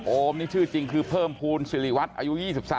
โอมนี่ชื่อจริงคือเพิ่มภูมิสิริวัตรอายุ๒๓